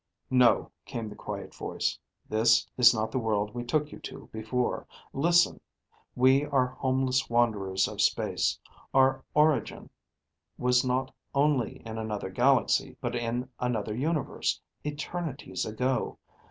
"No," came the quiet voice, "this is not the world we took you to before. Listen. We are homeless wanderers of space. Our origin was not only in another galaxy, but in another universe, eternities ago.